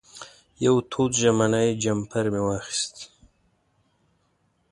یو تود ژمنی جمپر مې واخېست.